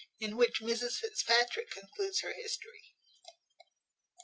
In which Mrs Fitzpatrick concludes her history.